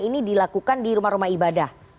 ini dilakukan di rumah rumah ibadah